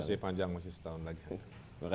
masih panjang masih setahun lagi terima kasih